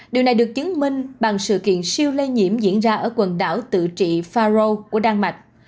điều này được chứng minh bằng sự kiện siêu lây nhiễm diễn ra ở quần đảo tự trị pharo của đan mạch